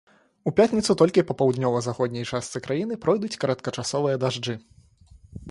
У пятніцу толькі па паўднёва-заходняй частцы краіны пройдуць кароткачасовыя дажджы.